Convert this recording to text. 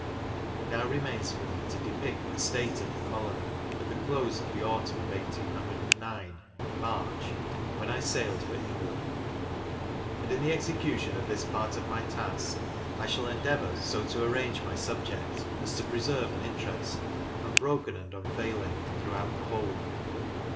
It now remains for me to depict the state of the colony, at the close of the autumn of 1809 (March), when I sailed for England; and, in the execution of this part of my task, I shall endeavour so to arrange my subject as to preserve an interest, unbroken and unfailing, throughout the whole.